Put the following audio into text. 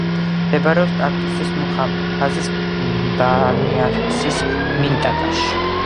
მდებარეობს ტარტუსის მუჰაფაზის ბანიასის მინტაკაში.